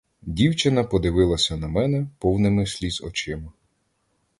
Дівчина подивилася на мене повними сліз очима.